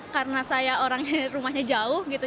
karena saya orang rumahnya jauh gitu